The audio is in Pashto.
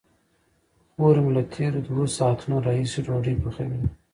خور مې له تېرو دوو ساعتونو راهیسې ډوډۍ پخوي.